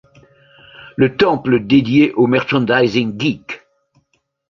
Le temple dédié au merchandising geek.